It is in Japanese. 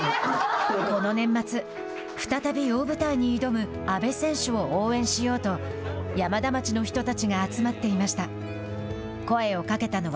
この年末、再び大舞台に挑む阿部選手を応援しようと山田町の人たちが集まっていました。